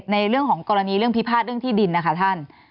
ในเรื่องของกรณีเรื่องพิพาทเรื่องที่ดินนะคะท่าน